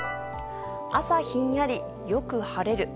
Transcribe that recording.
朝ひんやり、よく晴れる。